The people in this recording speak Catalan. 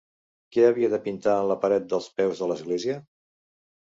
Què havia de pintar en la paret dels peus de l'església?